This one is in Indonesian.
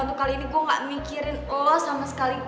untuk kali ini gue gak mikirin allah sama sekali